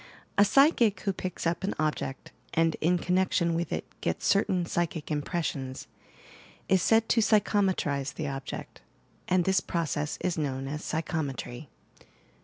A psychic who picks up an object and, in connection with it, gets certain psychic impressions, is said to 'psychometrize' the object, and this process is known as psychometry."